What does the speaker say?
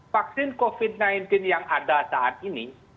vaksin covid sembilan belas yang ada saat ini